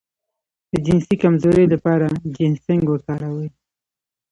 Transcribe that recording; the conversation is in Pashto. د جنسي کمزوری لپاره جنسینګ وکاروئ